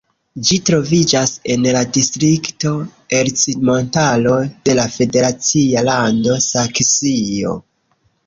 Ĝi troviĝas en la distrikto Ercmontaro de la federacia lando Saksio.